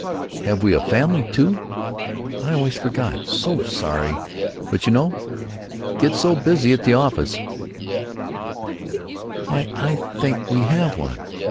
have we a family, too? I always forget. So sorry. But you know—get so busy at the office——" "Why, I think we have one.